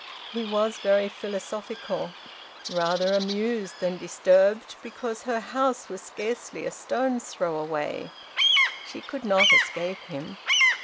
He was very philosophical: rather amused than disturbed, because her house was scarcely a stone's throw away: she could not escape him.